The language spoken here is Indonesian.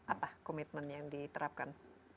apa commitment yang diterapkan